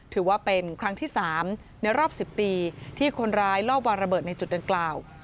ถือว่าเป็นครั้งที่๓ในรอบ๑๐ปีที่คนร้ายลอบวางระเบิดในจุดดังกล่าว